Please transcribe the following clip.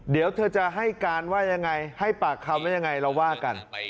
เดี๋ยวเธอจะให้การว่ายังไงให้ปากคำว่ายังไงเราว่ากัน